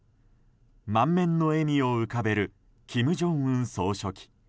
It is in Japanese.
満面の笑みを浮かべる金正恩総書記。